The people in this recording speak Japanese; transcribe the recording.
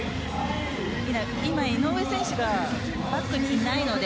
今、井上選手がバックにいないので